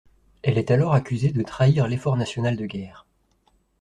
Elle est alors accusée de trahir l'effort national de guerre.